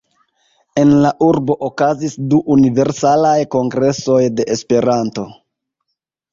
En la urbo okazis du Universalaj Kongresoj de Esperanto.